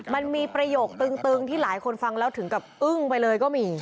มันมีประโยคตึงที่หลายคนฟังแล้วถึงกับอึ้งไปเลยก็มี